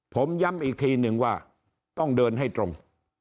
ผมย้ำอีกทีนึงว่าต้องเดินให้ตรง